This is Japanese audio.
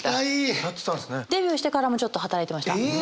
デビューしてからもちょっと働いてました。